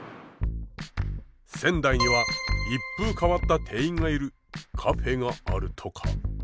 仙台には一風変わった店員がいるカフェがあるとか。